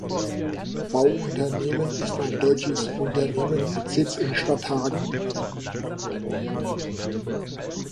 Bauunternehmen ist ein deutsches Unternehmen mit Sitz in Stadthagen.